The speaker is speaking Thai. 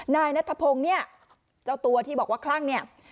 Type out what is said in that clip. นายนัทพงศ์เนี่ยเจ้าตัวที่บอกว่าคลั่งเนี่ย